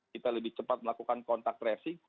kita lebih cepat melakukan kontak tracing